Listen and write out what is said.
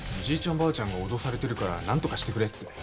じいちゃんばあちゃんが脅されてるから何とかしてくれって。